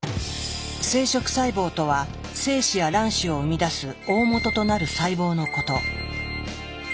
生殖細胞とは精子や卵子を生み出す大本となる細胞のこと。